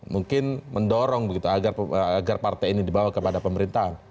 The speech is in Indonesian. mungkin mendorong begitu agar partai ini dibawa kepada pemerintahan